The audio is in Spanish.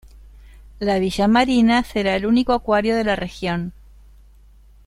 La "Villa Marina" será el único acuario de la región.